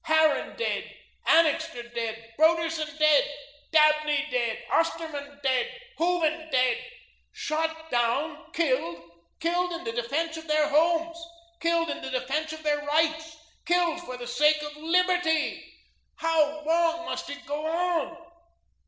Harran dead, Annixter dead, Broderson dead, Dabney dead, Osterman dead, Hooven dead; shot down, killed, killed in the defence of their homes, killed in the defence of their rights, killed for the sake of liberty. How long must it go on?